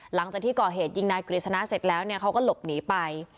หลังจากที่ก่อเหตุยิงนายกฤษณะเสร็จแล้วเนี่ยเขาก็หลบหนีไป